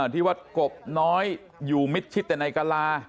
ที่วัดกบน้อยอยู่มิดชิดแต่ในกะลา